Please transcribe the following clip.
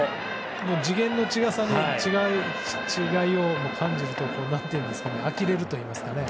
次元の違いを感じるとあきれるといいますかね。